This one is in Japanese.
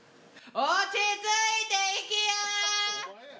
落ち着いていきやー。